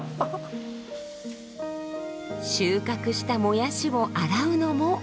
収穫したもやしを洗うのも温泉水。